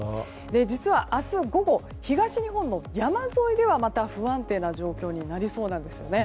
実は明日午後東日本の山沿いではまた不安定な状況になりそうなんですよね。